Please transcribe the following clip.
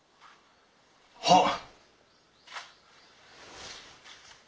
はっ。